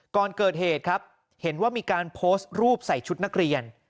ก่อนเกิดเหตุครับเห็นว่ามีการโพสต์รูปใส่ชุดนักเรียน